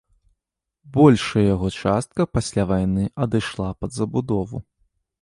Большая яго частка пасля вайны адышла пад забудову.